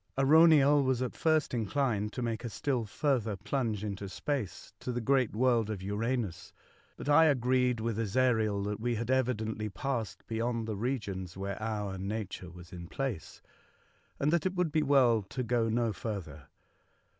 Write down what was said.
Arauniel was at first inclined to make a still further plunge into space to the great world of Uranus; but I agreed with Ezariel that we had evidently passed beyond the regions where our nature was in place, and that it would be well to go no further.